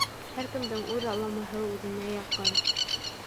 Һәр кемдең үҙ аламаһы үҙенә яҡын.